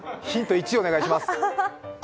１お願いします。